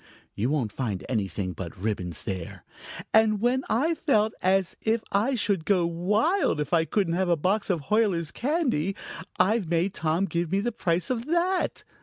You won't find anything but ribbons there. And when I've felt as if I should go wild if I couldn't have a box of Huyler's candy, I've made Tom give me the price of that.